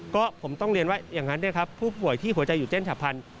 ก็ผมต้องเรียนว่าอย่างนั้นด้วยครับผู้ป่วยที่หัวใจหยุดเต้นฉับพันธุ